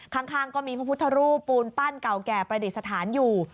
ข้างก็มีพระพุทธรูปปูนปั้นเก่าแก่ประดิษฐานอยู่